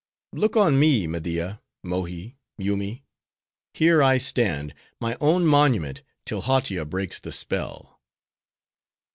"Look on me, Media, Mohi, Yoomy. Here I stand, my own monument, till Hautia breaks the spell."